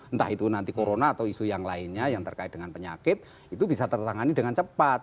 entah itu nanti corona atau isu yang lainnya yang terkait dengan penyakit itu bisa tertangani dengan cepat